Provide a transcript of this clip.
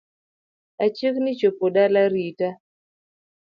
Achiegni chopo dala rita